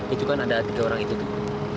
itu kan ada tiga orang itu tuh